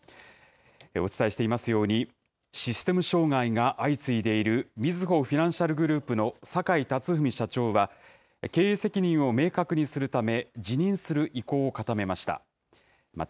お伝えしていますように、システム障害が相次いでいる、みずほフィナンシャルグループの坂井辰史社長は、経営責任を明確にするため、辞任する意向を固めました。